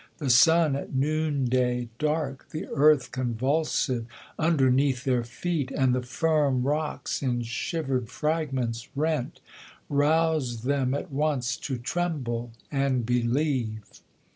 The sun, at noon day dark : Ihe earth convulsive underneath their feet, \nd the firm rocks, in shiver'd fragments rent, tous'd them at once to tremble and believe.